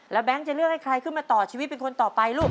แล้วแบงค์จะเลือกให้ใครขึ้นมาต่อชีวิตเป็นคนต่อไปลูก